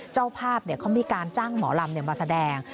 เจ้าภาพเขามีการจ้างหมอลำมาแสดง